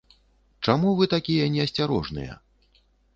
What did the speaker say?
Чаму вы такія неасцярожныя?